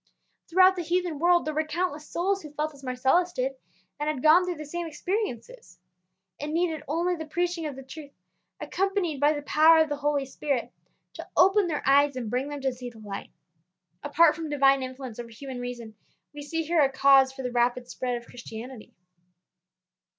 Throughout the heathen world there were countless souls who felt as Marcellus did, and had gone through the same experiences. It needed only the preaching of the truth, accompanied by the power of the Holy Spirit, to open their eyes and bring them to see the light. Apart from divine influence over human reason, we see here a cause for the rapid spread of Christianity.